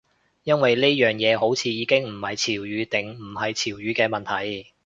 因為呢樣嘢好似已經唔係潮語定唔係潮語嘅問題